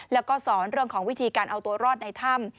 แล้วก็สอนเรื่องของวิธีการเอาตัวรอดในถ้ำ